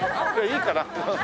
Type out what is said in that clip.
いいかな。